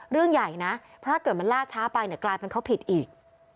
เรื่องใหญ่นะเพราะถ้าเกิดมันลากช้าไปกลายเป็นเขาผิดอีก